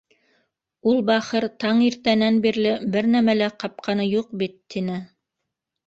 Ул, бахыр, таң иртәнән бирле бер нәмә лә ҡапҡаны юҡ бит, — тине.